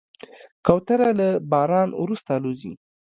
کوتره له باران وروسته الوزي.